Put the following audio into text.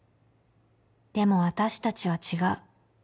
でも私たちは違う。